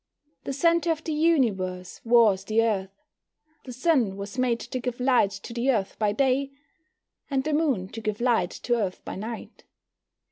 The centre of the Universe was the Earth. The Sun was made to give light to the Earth by day, and the Moon to give light to Earth by night.